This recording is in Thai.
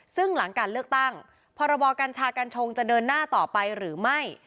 ซึ่งหลังการเลือกตั้งพรบกัญชากัญชงจะเดินหน้าต่อไปหรือไม่